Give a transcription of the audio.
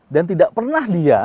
dan tidak pernah dia